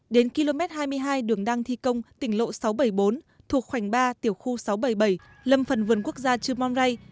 đến km hai mươi hai đường đăng thi công tỉnh lộ sáu trăm bảy mươi bốn thuộc khoảnh ba tiểu khu sáu trăm bảy mươi bảy lâm phần vườn quốc gia trư mon rai